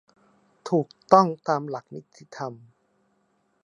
ถูกต้องตามหลักนิติธรรม